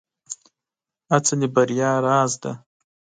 هڅه د بريا راز دی.